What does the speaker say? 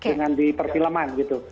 dengan di perfilman gitu